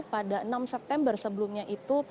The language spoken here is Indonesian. pada enam september sebelumnya itu